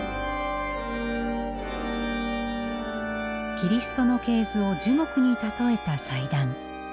キリストの系図を樹木に例えた祭壇。